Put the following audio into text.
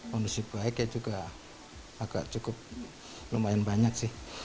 kondisi baiknya juga agak cukup lumayan banyak sih